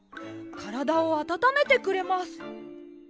からだをあたためてくれます。